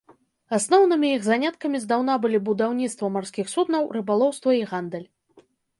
Асноўнымі іх заняткамі здаўна былі будаўніцтва марскіх суднаў, рыбалоўства і гандаль.